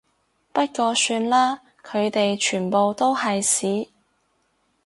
不過算啦，佢哋全部都係屎